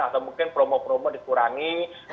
atau mungkin promo promo dikurangi